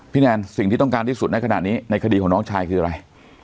แนนสิ่งที่ต้องการที่สุดในขณะนี้ในคดีของน้องชายคืออะไร